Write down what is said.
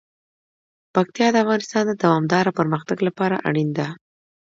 پکتیا د افغانستان د دوامداره پرمختګ لپاره اړین دي.